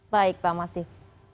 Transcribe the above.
baik pak masih